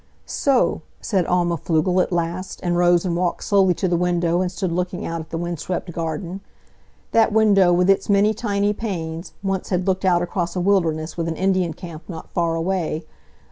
"So," said Alma Pflugel at last, and rose and walked slowly to the window and stood looking out at the wind swept garden. That window, with its many tiny panes, once had looked out across a wilderness, with an Indian camp not far away.